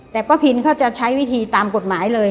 แต่ป้าพินเขาจะใช้วิธีตามกฎหมายเลย